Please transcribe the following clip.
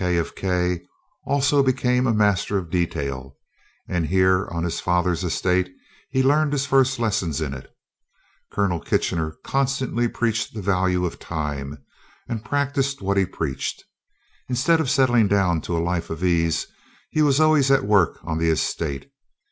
"K. of K." also became a master of detail; and here on his father's estate he learned his first lessons in it. Colonel Kitchener constantly preached the value of time and practised what he preached. Instead of settling down to a life of ease, he was always at work on the estate.